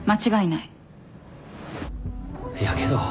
いやけど。